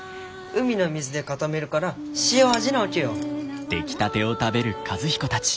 海の水で固めるから塩味なわけよ。